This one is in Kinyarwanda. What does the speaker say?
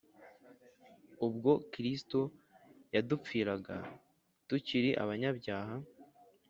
ubwo Kristo yadupfiraga tukiri abanyabyaha